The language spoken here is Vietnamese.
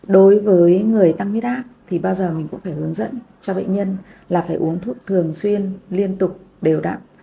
đối với người tăng huyết áp thì bao giờ mình cũng phải hướng dẫn cho bệnh nhân là phải uống thuốc thường xuyên liên tục đều đặn